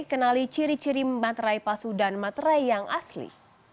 kenali ciri ciri materai palsu dan materai yang asli